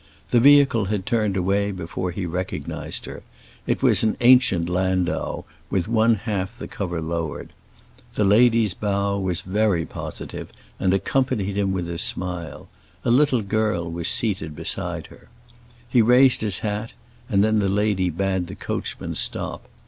The vehicle had turned away before he recognized her; it was an ancient landau with one half the cover lowered. The lady's bow was very positive and accompanied with a smile; a little girl was seated beside her. He raised his hat, and then the lady bade the coachman stop.